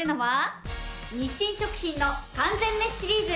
日清食品の「完全メシ」シリーズ。